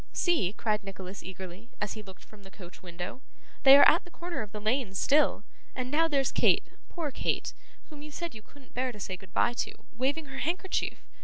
'See,' cried Nicholas eagerly, as he looked from the coach window, 'they are at the corner of the lane still! And now there's Kate, poor Kate, whom you said you couldn't bear to say goodbye to, waving her handkerchief.